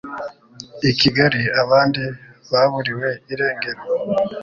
I Kigali abandi baburiwe irengero